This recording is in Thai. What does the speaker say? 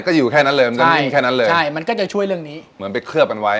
ก็อยู่แค่นั้นเลยมันจะนิ่งแค่นั้นเลยใช่มันก็จะช่วยเรื่องนี้เหมือนไปเคลือบกันไว้